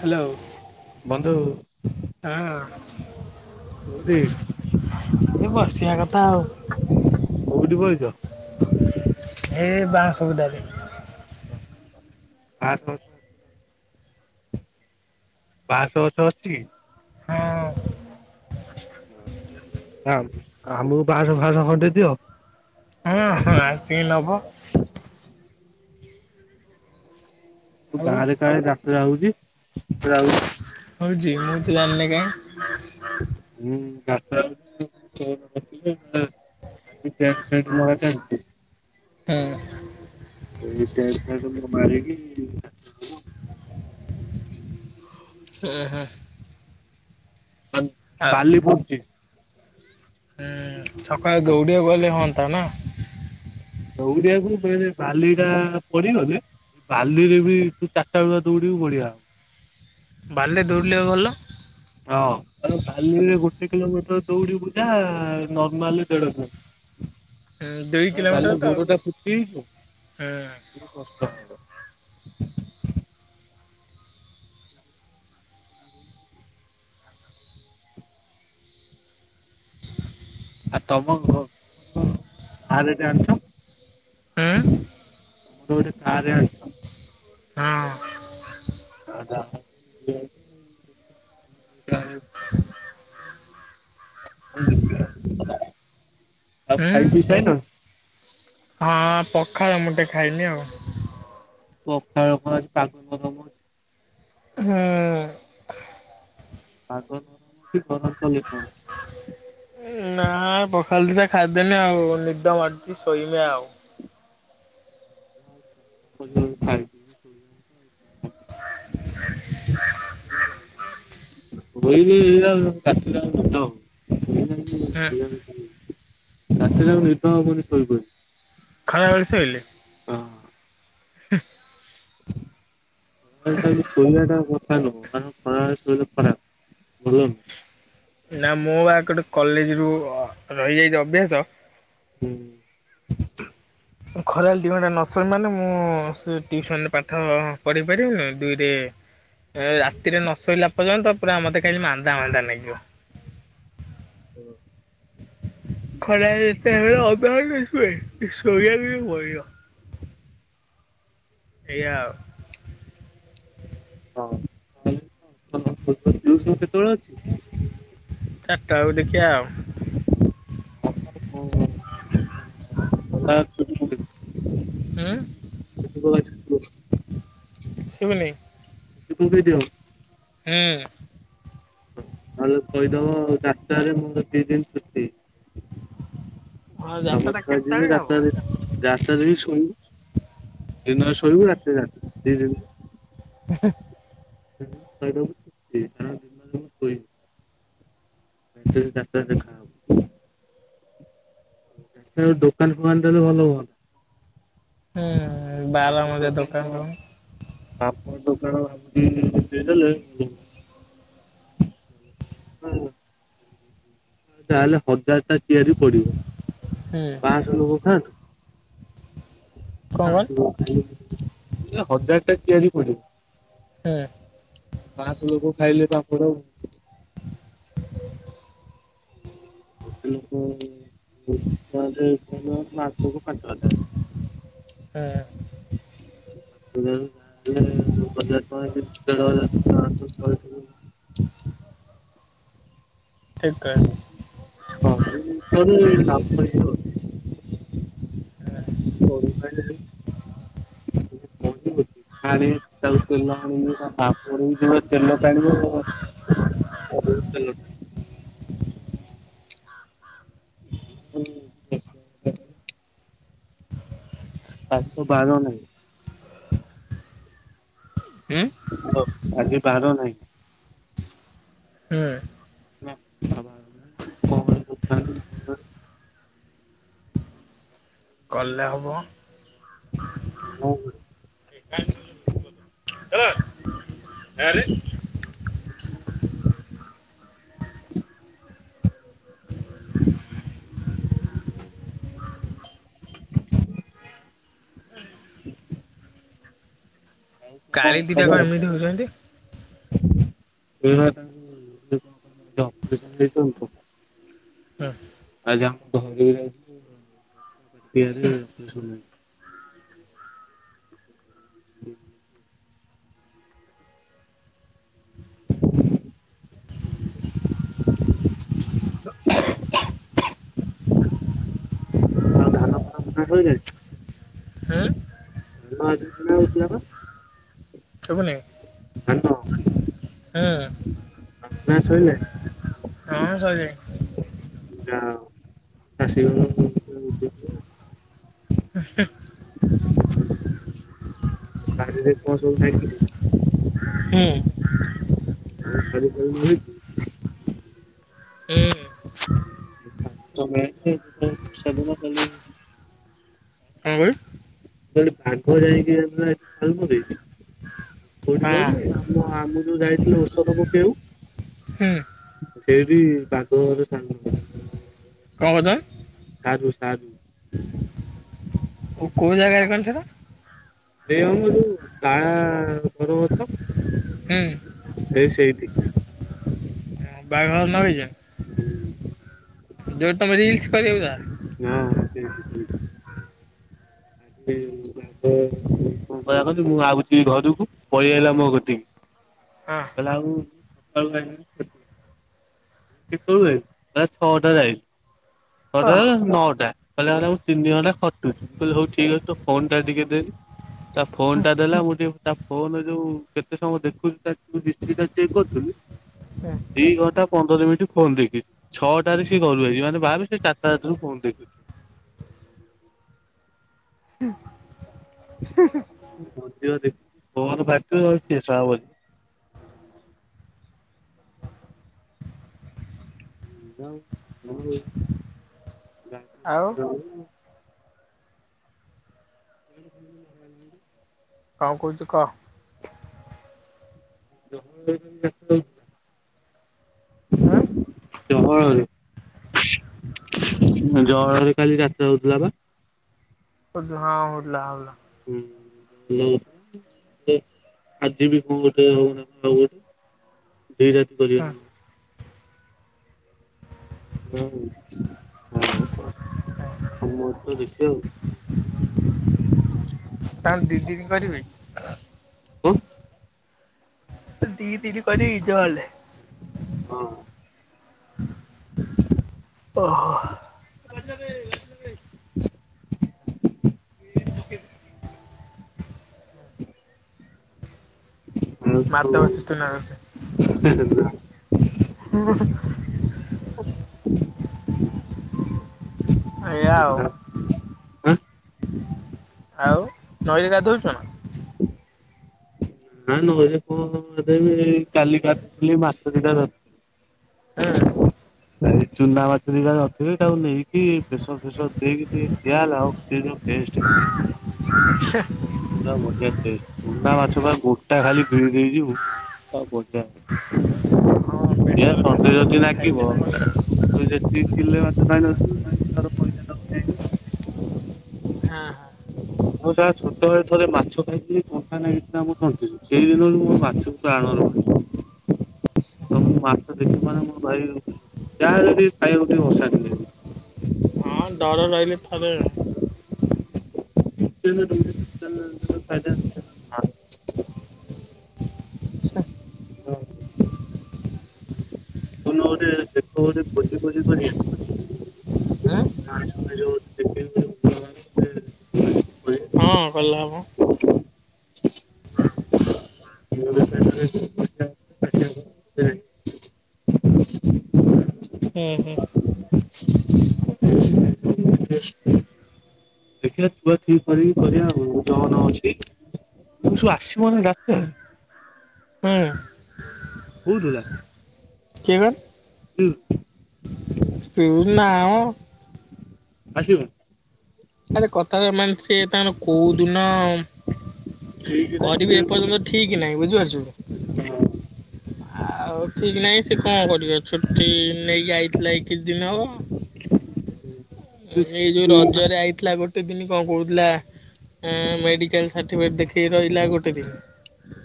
Hello. ବନ୍ଧୁ। ହଁ କେମିତି ଏ ବସିବା କଥା ଆଉ। କୋଉଠି ବଇଚ? ଏଇ ବାଉଁଶ ବୁଦାରେ। [unintelligible] ବାଉଁଶ ଗଛ ଅଛି? ହଁ ଆମକୁ ବାଁଶ ଫାସ ଖଣ୍ଡେ ଦିଅ? ହଁ ହଁ ଆସିକି ନେବ। ଗାଁ ରେ କାଁରେ ଯାତ୍ରା ହଉଚି ଆଉ ହଉଛି ମୁଁ ତ ଜାଣିନି କାଇଁ? ହଁ ଯାତ୍ରା ହଉଚି [unintelligible] [unintelligible] ହୁଁ। ଏଇ ପେଣ୍ଟ ସାର୍ଟ ମୁଁହ ମାର କିି ଓ ହା ବାଲି ପଡୁଚି ହୁଁ ସକାଳୁ ଦୌଡିଆକୁ ଗଲେ ହୁଅନ୍ତା ନା। ଦୌଡ଼ିଆକୁ ବାଲି ଟା ପଡିଗଲେ। ବାଲିରେ ବି ତୁ ଚାରିଟା ବେଳ ଦୌଡିବୁ ବଢିଆ ହବ। ବାଲିରେ ଦୌଡିଲ ଭଲ। ହଁ ବାଲିରେ ଗୋଟେ କିଲୋମିଟର ଦୌଡିବୁ ଜାହା ନର୍ମାଲରେ ଦେଢ ଦୁଇ ଆ କିଲୋମିଟର ବାଲି ତ ଆଉ। ଗୋଡଟା ପୂତି କଷ୍ଟ ହେବ। ଆଉ ତମ ଘ ଗାଁରେ ଜାଣିନ। ହୁଁ ହୁଁ ଆଉ ଗୋଟେ କାରେ ଆଣିଛି। ହଁ। ଆ [unintelligible] ଆଉ ଖାଇ ହୁଁ ପିସାଇଲଣି? ହଁ ପଖାଳ ମୁଠେ ଖାଇଲି ଆଉ। ପଖାଳ କଣ ଆଜି ପାଗ ତ ହୁଁ ପାଗ ନରମ ଅଛି ଗରମ [unintelligible] ହଁ ପଖାଲ ଦିଟା ଖାଇଦେନି ଆଉ ନିଦ ମାରଛି ଶୋଇମି ଆଉ। [unintelligible] [inaudible] [unintelligible] ହୁଁ ରାତିରେ ଆଉ ନିଦ ହବନି ଶୋଇପଇଲେ। ଖରା ବେଳେ ଶୋଇଲେ? ହଁ। [inaudible] [inaudible] ତା ବୋଲି ସୋଇବା ଟା କଥା ନୁହଁ କାରଣ ଖରାବେଳେ ସୋଇଲେ ଖରାପ୍ ଭଲ ନୁହଁ। ନାଁ ମୁଁ ଆ ଗୋଟେ କଲେଜ୍ ରୁ ରହିଯାଇଛି ଅଭ୍ୟାସ ହୁଁ। ଖରାବେଳେ ଦି ଘଣ୍ଟା ନ ଶୋଇବି ମାନେ ମୁଁ ସେ ଟିଉସନ୍ ପାଠ ପଢ଼େଇ ପାରିବିନି ଦୁଇରେ। ରାତିରେ ନ ଶୋଇଲା ପର୍ଯ୍ୟନ୍ତ ପୁରା ମତେ ଖାଲି ମାନ୍ଦା ମାନ୍ଦା ଲାଗିବ। ହଁ। ଖରା ଯେତେ ହେଲେ ଅଧ ଘଣ୍ଟେ ସୁଏ କି ଶୋଇବାକୁ ପଡିବ। ଏଇଆ ଆଉ। [unintelligible] ଟିଉସନ୍ କେତେବେଳେ ଅଛି? ଚାରିଟା ବେଳକୁ ଦେଖିବା ଆଉ। [unintelligible] ଉଁ। [unintelligible] ସୁବୁନି। [unintelligible] ହୁଁ। ତାହାଲେ କହିଦବ ଚାରି ଟାରେ ମୋର ଦି ଦିନି ଛୁଟି। ହଁ ଆମ ଯାତ୍ରାଟା ଛୁଆ କେତେବେଳେ ଯିବେ ହବ? ଯାତ୍ରା ଦେଖି। ଯାତ୍ରା ରେ ବି ଶୋଇିବୁ ଦିନରେ ସୋଇବୁ ରାତିରେ ଯାତ୍ରା ଦିଇ ଦିନି। [inaudible] [unintelligible] କାରଣ ଦିନରେ ମୁଁ ସୋଇନି। ରାତିରେ ଯାତ୍ରା ଦେଖା ହବ। ସେ ଦୋକାନ ଫୋକାନ ଦେଲେ ଭଲ ହୁଅନ୍ତା। ହୁଁ ବାରମଜା ଦୋକାନ ଦଉନୁ। ପାମ୍ପଡ ଦୋକାନ ଭାବୁଛି ଦେଇ ଦେଲେ ଭଲ ‌ହୁଅନ୍ତା। ଭଲ। ହୁଁ। ଆଉ ତାହେଲେ ହଜାରେ ଟା ଚିଆରି ପଡ଼ିବ। ହୁଁ। ଲୋକ ଖାଆନ୍ତୁ। କଣ କଣ [unintelligible] ହଜାରେ ଟା ଚିଆରି ପଡିବ। ହୁଁ। ପାଆସ ଲୋକ ଖାଇଲେ ପାମ୍ପଡ଼। ଏତେ ଲୋକ ରେଷ୍ଟୁରାଣ୍ଟ ରେ ଖାଇଲେ ମାସକୁ ପାଞ୍ଚ ହଜାର। ହୁଁ। ମାସକୁ ମାସ ଯାହା ହେଲେ ହଜାରେ ଟଙ୍କା କି ଦେଢ଼ ହଜାରେ। ହଁ ତୁ କହୁଥିଲୁ। ଠିକ୍ କ [unintelligible] [unintelligible] ଆରେ ତାକୁ ତେଲ ଆଣିବ ତା ପାମ୍ପଡ ବି ଯୋଉ ତେଲ ଟାଣିବ। [unintelligible] ହୁଁ। ତାକୁ ବାର ନାହିଁ। ହୁଁ ହ ଆଜି ବାର ନାହିଁ। ହୁଁ। [unintelligible] କଲେ ହବ। [unintelligible] ହେଲା। ଆରେ। ଆଉ କଣ କାଳି ଦିଟା ଖବର। ଏମିତି ହଉଛନ୍ତି ସେ ତାଙ୍କୁ ଯୋଉ କଣ କହିଲେ ଆଜି ଅପରେସନ ଦେଇଛନ୍ତି ତ ଆଜି ଆମ ଘରକୁ ଯାଇଥିଲି [unintelligible] ଅପରେସନ ହେଇଛନ୍ତି। ହୁଁ। [unintelligible] ଆଉ ଧାନ ଫାନ ବୁଣା ହୁଁ ସଇଲାଣି। ଧାନ ଆଜି କିଣା ହଉଥିଲା ପା ଶୁଭୁନେଇ ହାଲୋ। ହେଁ ନା ଶୋଇିଲେ। ନାଁ ଶୋଇନେଇ ହଁ [unintelligible] [unintelligible] ବାରିରେ କଣ ସବୁ ଲାଗିଛି? ହଁ। ସାରୁ ଫାରୁ ଲାଗିଛି? ହୁଁ [unintelligible] କଁ କହିଲେ ମୁ କହିଲି ବାଘ ଯାଇକି [unintelligible] ମୁ କୋଉଠି କୋଉଠି ହଁ ଆମେ ଯୋଉ ଯାଇଥିଲୁ ଔଷଧ ପକେଇବାକୁ ହୁଁ ସେଇଠି ବାଘ [inaudible] ସାଙ୍ଗ କଣ କରୁଚନ୍ତି? ସାରୁ ସାରୁ ଆଉ କୋଉ ଜାଗାରେ କହନି ସେଟା? [inaudible] ଯୋଉ ତା ଘର ହୁଁ। ସେଇ ସେଇଠି ହଁ ବାଇଗଣ ଲଗେଇଚ ଯୋଉଠି ତମେ ରିଲ୍ସ କରିବାକୁ ଯାଅ ହଁ ହଁ ସେଇଠି ସେଇଠି [unintelligible] କଣ [inaudible] ମୁଁ ଆଉୁଛି ଘରକୁ ପଳେଇ ଆଇଲା ମୋ କତିକି ଗଲା ଆଉ ସକାଳୁ କେତେବେଳେ ବେ ଯାଇକି ଛଅଟା ରେ ଆଇଲି ଛ ଟା ହଁ ହଁ ରୁ ନଅଟା କହିଲା କହିଲା ମୁଁ ତିନି ଘଣ୍ଟା ଖଟୁଛି। ମୁଁ କହିଲି ହଉ ଠିକ୍ ଅଛି ତୋ ଫୋନ ଟା ଟିକେ ଦେନି ତା ଫୋନ ଟା ଦେଲା ମୁଁ ଟିକେ ତା ଫୋନ ଯୋଉ କେତେ ସମୟ ଦେଖୁଛି ତା ହିଷ୍ଟ୍ରି ଟା ଚେକ୍ କରୁଥିଲି ଦି ଘଣ୍ଟା ପନ୍ଦର ମିନିଟ୍ ଫୋନ୍ ଦେଖିଛି ଛଅଟାରେ ସିଏ ଘରୁ ଯାଇଛି ମାନେ ଭାବେ ସେ ଚାରିଟା ରାତିରୁ ଫୋନ୍ ଦେଖୁଛି। [unintelligible] ଆଉ [inaudible] [inaudible] କଣ କହୁଚୁ କହ? [unintelligible] ଆଁ। ଜଳରେ ଜଳରେ କାଲି ଯାତ୍ରା ହଉଥିଲା ପା। ହଉଥିଲା ହଁ ହଉଥିଲା ହଉଥିଲା। ହୁଁ ଯୋ ଇଏ ଥିଲା ଆଜି ବି କଣ ଗୋଟେ ହଉଚି ନା କଣ ଆଉ ଗୋଟେ ଦି ଟା ରାତି କରିବେ ନା କ ହୁଁ ହୁଁ ହଁ ହଉ ଆମର ତ ଦେଖିଆ ଆଉ। ତାହେଲେ ଦି ଦିନି କରିବେ। [unintelligible] ଦି ଦିନି କରିବେ ତାହେଲେ। ହଁ। ଓହୋ [unintelligible] [unintelligible] ଆଉ ମାଧବ ସେତୁ ନା କଣ [inaudible] ହୁଁ ହୁଁ। ଏଇଆ ଆଉ ହ ଆ [inaudible] ଆଉ ନଈରେ ଗାଧଉଛ ନା? ନା ନଈରେ କ ଗାଧେଇବି କାଲି ଗାଧେଇଥିଲି ମାଛ ଦି ଟା ଧ ହଁ। [inaudible] ଚୁନା ମାଛ ଦି ଟା ଧରିଥିଲି ତାକୁ ନେଇକି ବେସର ଫେସର ଦେଇକି ଟିକେ ଖିଆ ହେଲା ଓଃ ସେ ଯୋଉ ଟେଷ୍ଟ କ [unintelligible] ହେ। ପୁରା ବଢିଆ ଟେଷ୍ଟ ଚୁନା ମାଛ ପା ଗୋଟା ଖାଲି ଭିଡ଼ି ଦେଇଯିବୁ ଆ ବଢିଆ ହଁ ଏୟା ପ୍ରେସର ତଣ୍ଟି ରେ ଫେସର ଯଦି ପାଇଁ ଖାଇଲେ ଲାଗିବ ହବ ଆଉ। ତୁ ଯେତିକ କିଲେ ମାଛ ତାହିଁରେ ଧରିଥିବୁ [unintelligible] ପଇସା ତତେ ଦେଇକି। ହଁ ହଁ ମୁଁ ଯାହା ଛୋଟବେଳେ ଥରେ ମାଛ ଖାଇଥିଲି କଣ୍ଟା ନାଗିଥିଲା ମୋ ତଣ୍ଟିରେ ସେଇ ଦିନଠୁ ମୋ ହୁଁ। ମାଛ ପ୍ରାଣ ର ଭୟ। ତ ମୁଁ ମାଛ ଦେଖିବି ମାନେ ମୋ ଭାଇ ଯାହା ହେଲେ ବି ଖାଇବାକୁ ଟିକେ ଅଶାନ୍ତି ଲାଗେ। ହଁ ଡର ରହିଲେ ଥରେ। [unintelligible] ହଁ ତୁମ ଗରିଆ ରେ [unintelligible] କଉଠି ଭୋଜି ଫୋଜି କରିଆ? ଆଁ। [unintelligible] ହଁ କଲେ ହବ। [unintelligible] ଓହୋ। ଦେଖିବା ଥୁଆ ଥୁଇ କରିକି କରିବା ଆଉ ଜନ୍ ଅଛି ଯୋଉ ଶୁ ଆସିବନି ଡାକ୍ତର। ହୁଁ। କହୁଥୁଲା। କିଏ କହନି? ହୁଁ ପିୟୁଷ ନା ମ। ଆସିବ। ଆରେ କଥା ରେ ମାନେ ସେ ତାଙ୍କର କଉଦିନ। ଠିକ କରିବେ ଏପର୍ଯ୍ୟନ୍ତ ଠିକି ନାହିଁ ବୁଝିପାରୁଛୁ ତ। ହଁ। ଆଉ ଠିକ୍ ନାହିଁ ସେ କଣ କରିବ, ଛୁଟି ନେଇକି ଆଇଥିଲା ଏଇ କିଛି ଦିନ ହବ। [unintelligible] ଏଇ ଯୋଉ ଛୁଟି ରଜରେ ଆଇଥିଲା ଗୋ ଗୋଟେ ଦିନ କଁ କହୁଥିଲା ମେଡ଼ିକାଲ ସାର୍ଟିଫିକେଟ୍ ଦେଖେଇ ରହିଲା ଗୋଟେ ଦିନ।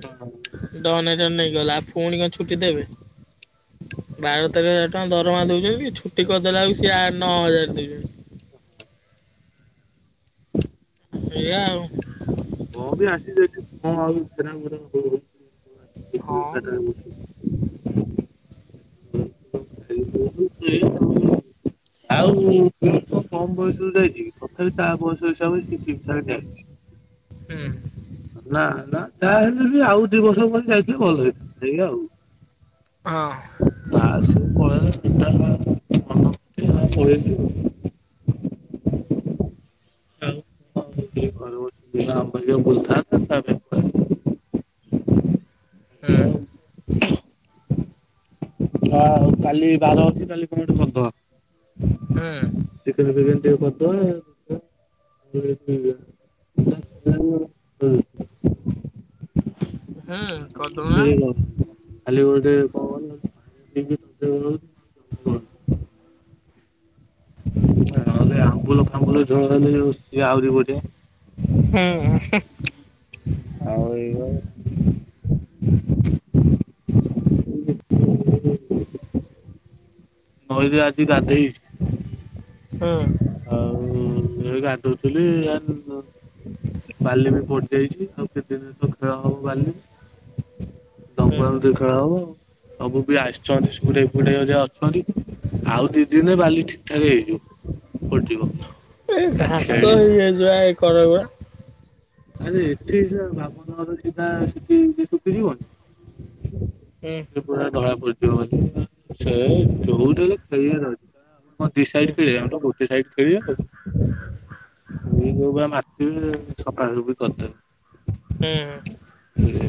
ତ [unintelligible] ନେଇକି ଗଲା ଆଉ ଫୁଣି କଁ ଛୁଟି ଦେବେ, ବାର ତାରିଖ ତାଙ୍କ ଦରମା ଦଉଛନ୍ତି କି ଛୁଟି କରିଦେଲା ବେଳକୁ ସିଏ ଆଠ, ନଅ ହଜାର ଦେବେ। ଏଇଆ ଆଉ। କଣ ବି ଆସିିକି ଏଠି କଣ ଆଉ ସେ ଛେନା ଗୁଡ କରିବେ। ହଁ। [unintelligible] ଆଉ [unintelligible] କମ ବୟସରୁୁ ଯାଇଛି କି ତଥାପି ତା ବୟସ ହିସାବରେ ସେ ଠିକ୍ ଠାକ୍ ଯାଇଛି। ହୁଁ ନା ନା ଯାହାହେଲେ ବି ଆଉ ଦି ବର୍ଷ ପରେ ଯାଇଥିଲେ ଭଲ ହେଇଥାଆନ୍ତ ଏଇଆ ଆଉ। ହଁ। ତା ସେ ପଳେଇଲେ [unintelligible] ପଳେଇଲୁ ଆଉ। ଆଉ [unintelligible] ଘରେ ବସିକି ଆମଭଳିଆ ବୁଲିଥାନ୍ତା [unintelligible] ହଁ। ପଳେଇଲା। ହଁ ଆଉ କାଲି ବାର ଅଛି କାଲି କଣ ଗୋଟେ କରିଦବା। ହୁଁ ଚିକେନ ଫିକେନ୍ ଟିକେ କରିଦବା। [unintelligible] ହୁଁ କରିଦଉନା। ଖାଲି ଗୋଟେ ପବନ ପାଣି [unintelligible] ନହେଲେ ଆମ୍ବୁଲ ଫାମ୍ବୁଲ ଝୋଳ ହେଲେ ସିଏ ଆହୁରି ବଢିଆ। ହୁଁ। ଆଉ ଏଇଆ। ନଈରେ ଆଜି ଗାଧେଇ ହଁ। ଆଉ ଏ ଗାଧଉଥିଲି [unintelligible] ବାଲି ବି ପଡି ଯାଇଛି ଆଉ କେତେ ଦିନ ତ ଖେଳା ହବ ବାଲି। ହୁଁ। [unintelligible] ଖେଳା ହବ। ସବୁ ବି ଆସିଛନ୍ତି ସୁରେଇ ଫୁଡେଇରେ ଅଛନ୍ତି, ଆଉ ଦି ଦିନେ ବାଲି ଠିକ ଠାକ ହେଇଯିବ। ପଡଯିବ। ଏ ଘାସ ହେଇ ଯାଇଛି ବା ଏଇ କରଗୁରା। ଆରେ ଏଠି ସେ ବାପନ ଘର ସିଧା ସେଠି ଶୁଖିଯିବନି। ହୁଁ। ସେ ପୁରା ଧଳା ପଡିଯିବ ବୋଲି ସେ ଯୋଉଠି ହେଲେ ଖେଳଆର ଅଛି ବା। କଣ ଦି ସାଇଡ ହୁଁ ଖେଳିବା ଆମେ ତ ଗୋଟେ ସାଇଡ ଖେଳିବା ଆଉ। ଏଇ ଯୋଉ ବା ମାତିବେ। ଆଉ କାଲି ବି ହୁଁ। କରିଦେବେ ଏ